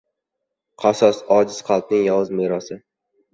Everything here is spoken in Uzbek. Qasos — ojiz qalbning yovuz merosi